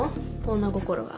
女心が。